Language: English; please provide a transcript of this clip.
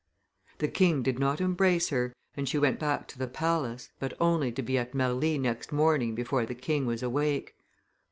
The king did not embrace her, and she went back to the palace, but only to be at Marly next morning before the king was awake.